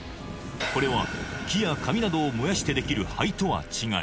これは木や紙などを燃やしてできる灰とは違い